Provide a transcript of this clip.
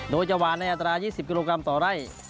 โดยจะหวานในอัตรา๒๐กิโลกรัมต่อไร่